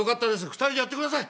２人でやってください。